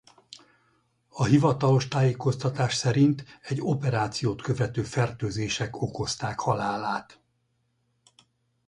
A hivatalos tájékoztatás szerint egy operációt követő fertőzések okozták halálát.